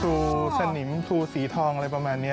สนิมชูสีทองอะไรประมาณนี้